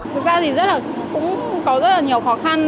thực ra thì cũng có rất là nhiều khó khăn